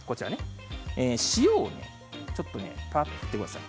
塩をちょっと振ってください。